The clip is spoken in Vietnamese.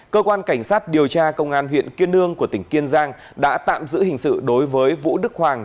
cơ quan cảnh sát điều tra công an huyện kiên lương của tỉnh kiên giang đã tạm giữ hình sự đối với vũ đức hoàng